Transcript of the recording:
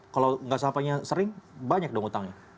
kalau tidak sampai sering banyak dong utangnya